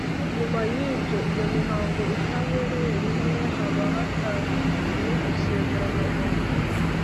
nyuma y’ibyo iyo imihango itabereye rimwe, haba hatahiwe gusezerana mu